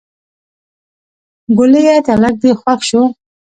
ګوليه تلک دې خوښ شو.